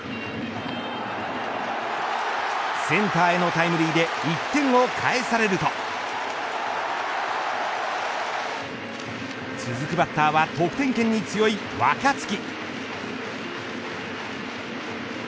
センターへのタイムリーで１点を返されると続くバッターは得点圏に強い若月。